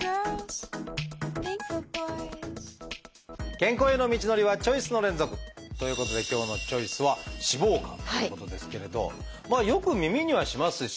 健康への道のりはチョイスの連続！ということで今日の「チョイス」はまあよく耳にはしますし。